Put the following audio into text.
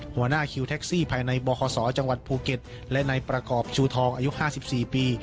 หัวหน้าคิวแท็กซี่ภายในบคศจังหวัดภูเก็ตและนายประกอบชูทองอายุ๕๔ปี